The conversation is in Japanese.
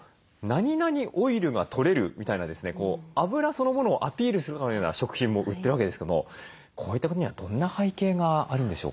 そのものをアピールするかのような食品も売ってるわけですけどもこういったことにはどんな背景があるんでしょうか？